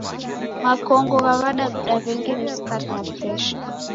Makongo gha w'adaw'ida w'engi ni Sukari na Presha.